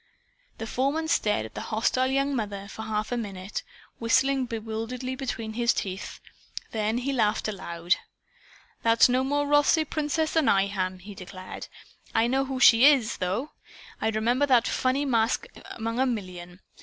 The foreman stared at the hostile young mother for a half minute, whistling bewilderedly between his teeth. Then he laughed aloud. "That's no more Rothsay Princess than I am!" he declared. "I know who she IS, though. I'd remember that funny mask among a million.